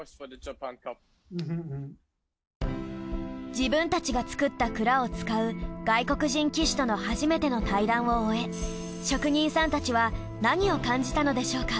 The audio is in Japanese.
自分たちが作った鞍を使う外国人騎手との初めての対談を終え職人さんたちは何を感じたのでしょうか？